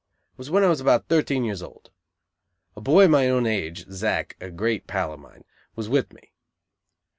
It was when I was about thirteen years old. A boy of my own age, Zack, a great pal of mine, was with me.